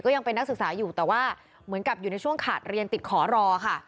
ยังเป็นนักศึกษาอยู่แต่ว่าเหมือนกับอยู่ในช่วงขาดเรียนติดขอรอค่ะ